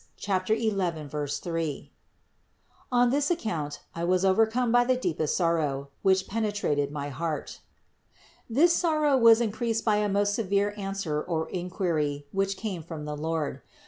11, 3), on this account I was overcome by the deepest sorrow, which penetrated my heart. 15. This sorrow was increased by a most severe answer or inquiry, which came from the Lord.